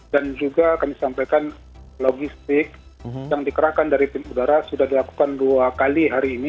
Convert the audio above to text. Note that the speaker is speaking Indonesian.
dan juga kami sampaikan logistik yang dikerahkan dari tim udara sudah dilakukan dua kali hari ini